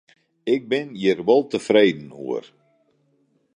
Ik bin hjir wol tefreden oer.